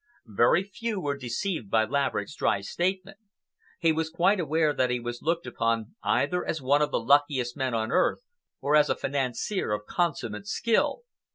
Very few were deceived by Laverick's dry statement. He was quite aware that he was looked upon either as one of the luckiest men on earth, or as a financier of consummate skill.